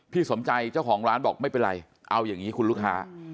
สมใจเจ้าของร้านบอกไม่เป็นไรเอาอย่างนี้คุณลูกค้า